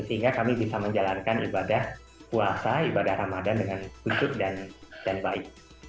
sehingga kami bisa menjalankan ibadah puasa ibadah ramadan dengan ujuk dan baik